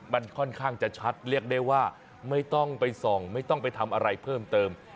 มันค่อนข้างจะชัดเรียกได้ว่าไม่ต้องไปส่องไม่ต้องไปทำอะไรเพิ่มเติม